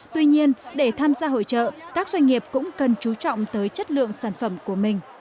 tuy nhiên để tham gia hội trợ các doanh nghiệp cũng cần chú trọng tới chất lượng sản phẩm của mình